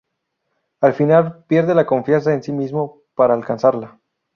Al final, pierde la confianza en sí mismo para alcanzarla.